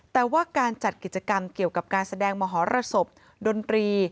แต่ว่าการจัดกิจกรรมเกี่ยวกับการแสดงมหรสบดนตรี